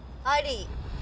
あり！